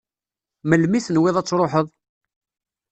Melmi i tenwiḍ ad tṛuḥeḍ?